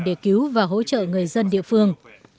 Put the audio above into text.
để cứu và hỗ trợ người dân địa phương